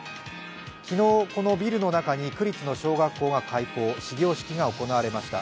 昨日、このビルの中に区立の小学校が開校始業式が行われました。